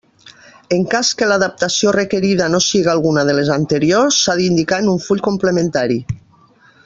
En cas que l'adaptació requerida no siga alguna de les anteriors, s'ha d'indicar en un full complementari.